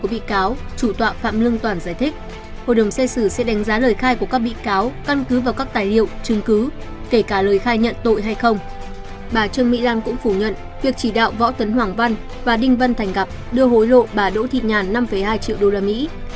bà trương mỹ lan cũng phủ nhận việc chỉ đạo võ tấn hoàng văn và đinh văn thành gặp đưa hối lộ bà đỗ thị nhàn năm hai triệu đô la mỹ